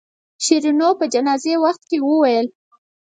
شیرینو په جنازې وخت کې وویل.